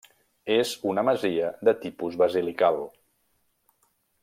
És una masia de tipus basilical.